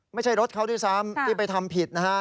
ไม่ใช่รถเขาดิที่สามที่ไปทำผิดนะฮะ